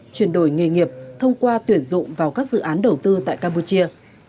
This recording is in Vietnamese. chuyển đổi nghề nghiệp thông qua tuyển dụng vào các dự án đầu tư tại campuchia